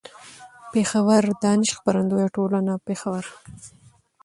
پېښور: دانش خپرندويه ټولنه، پېښور